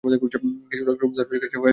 কিছু লাগলে রুম-সার্ভিসের কাছে অর্ডার দিও।